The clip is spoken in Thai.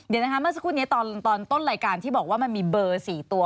เมื่อกรุ่นนี้ตอนต้นรายการที่บอกว่ามันมีเบอร์๔ตัว